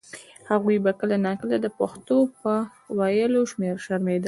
هغوی به کله نا کله د پښتو پر ویلو شرمېدل.